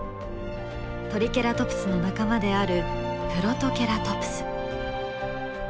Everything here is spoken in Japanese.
トリケラトプスの仲間であるプロトケラトプス。